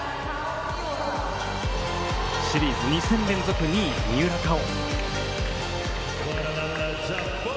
シリーズ２戦連続２位三浦佳生。